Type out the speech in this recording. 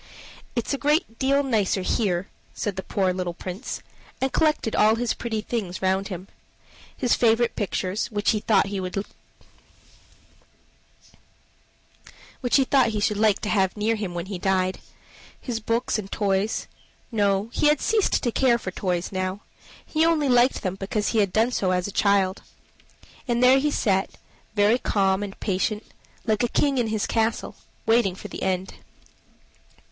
"It's a great deal nicer here," said the poor little Prince, and collected all his pretty things round him: his favorite pictures, which he thought he should like to have near him when he died; his books and toys no, he had ceased to care for toys now; he only liked them because he had done so as a child. And there he sat very calm and patient, like a king in his castle, waiting for the end.